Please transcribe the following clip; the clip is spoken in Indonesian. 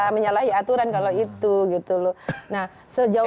menyalahi aturan kalau itu gitu loh